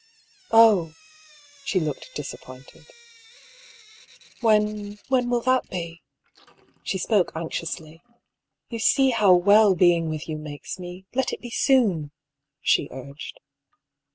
"Oh!" She looked disappointed. "When — ^when will that be?" She spoke anxiously. "You see how well being with you makes me ! Let it be soon !" she urged.